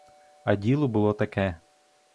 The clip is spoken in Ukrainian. А діло було таке.